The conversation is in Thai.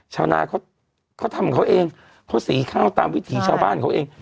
ชาวนาเขาทำของเขาเองเขาสีข้าวตามวิถีชาวบ้านเขาเอง